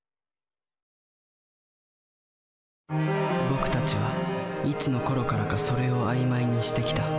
僕たちはいつのころからか「それ」を曖昧にしてきた。